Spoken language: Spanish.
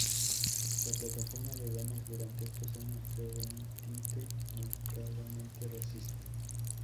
La plataforma de Gómez durante estos años fue de un tinte marcadamente racista.